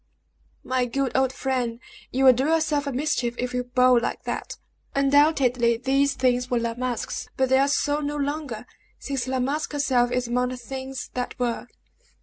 "My good old friend, you will do yourself a mischief if you bawl like that. Undoubtedly these things were La Masque's, but they are so no longer, since La Masque herself is among the things that were!"